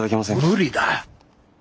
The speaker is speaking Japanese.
無理だ！